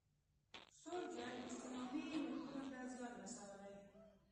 سوړ جنګ اسلامي ملکونو ته زیان رسولی